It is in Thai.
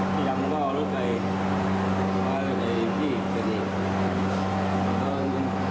พี่ทำมันก็เอารถไปเอาลูกบุรีไป